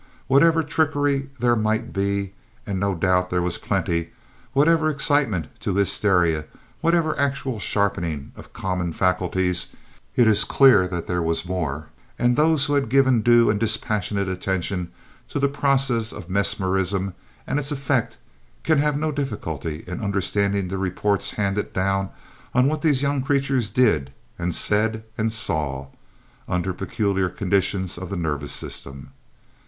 Whatever trickery there might be and, no doubt, there was plenty; whatever excitement to hysteria; whatever actual sharpening of common faculties, it is clear that there was more; and those who have given due and dispassionate attention to the process of mesmerism and its effects can have no difficulty in understanding the reports handed down of what these young creatures did and said and saw, under peculiar conditions of the nervous system.